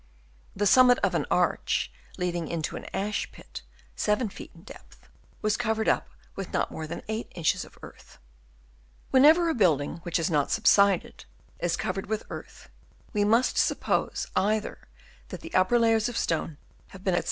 The summit of an arch, leading into an ash pit 7 feet in depth, was covered up with not more than 8 inches of earth. When ever a building which has not subsided is covered with earth, we must suppose, either that the upper layers of stone have been at r 2 230 BURIAL OF THE REMAINS Chap. IV.